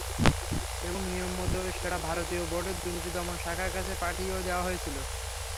এবং নিয়মমতো সেটা ভারতীয় বোর্ডের দুর্নীতি দমন শাখার কাছে পাঠিয়েও দেওয়া হয়েছিল।